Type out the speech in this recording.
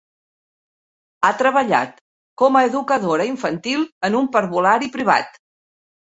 Ha treballat com a educadora infantil en un parvulari privat.